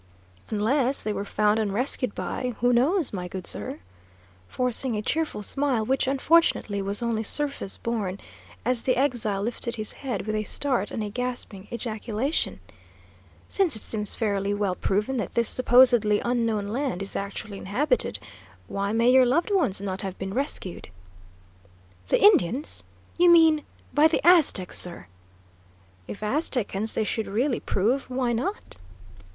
"Unless they were found and rescued by who knows, my good sir?" forcing a cheerful smile, which, unfortunately, was only surface born, as the exile lifted his head with a start and a gasping ejaculation. "Since it seems fairly well proven that this supposedly unknown land is actually inhabited, why may your loved ones not have been rescued?" "The Indians? You mean by the Aztecs, sir?" "If Aztecans they should really prove; why not?"